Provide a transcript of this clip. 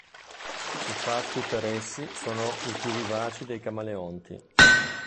I fatti per essi sono i più vivaci dei camaleonti...